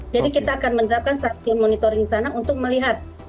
jadi kita akan menerapkan stasiun monitoring di sana untuk melihat